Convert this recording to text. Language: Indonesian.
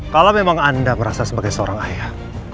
kalau memang anda merasa sebagai seorang ayah